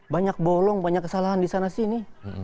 banyak bolong banyak kesalahan disana sini